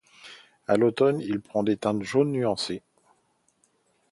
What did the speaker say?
À l'automne, il prend des teintes jaunes nuancées.